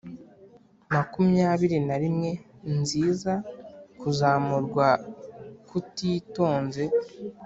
makumyabiri na rimwe nziza, kuzamurwa kutitonze,